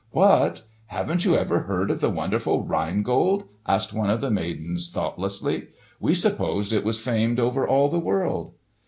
"What! Haven't you ever heard of the wonderful Rhine Gold?" asked one of the maidens thoughtlessly. "We supposed it was famed over all the world."